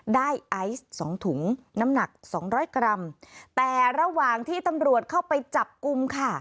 ไอซ์สองถุงน้ำหนักสองร้อยกรัมแต่ระหว่างที่ตำรวจเข้าไปจับกลุ่มค่ะ